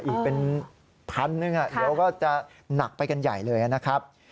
อีกเป็นพันหนึ่งเดี๋ยวก็จะหนักไปกันใหญ่เลยนะครับ